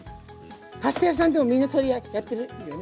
パスタ屋さんでもみんなそれやってるよね